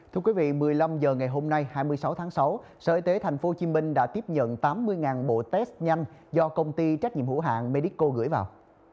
thưa quý vị một mươi năm h ngày hôm nay hai mươi sáu tháng sáu sở y tế thành phố hồ chí minh đã tiếp nhận tám mươi bộ test nhanh do công ty trách nhiệm hữu hạng medico gửi vào